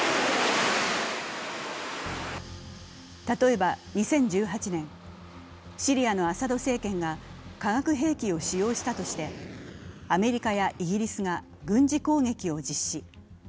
例えば２０１８年、シリアのアサド政権が化学兵器を使用したとしてアメリカやイギリスが軍事攻撃を実施。